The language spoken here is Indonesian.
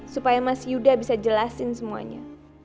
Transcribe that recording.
supaya mas yuda bisa jelasin semuanya